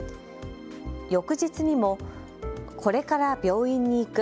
翌日にもこれから病院に行く。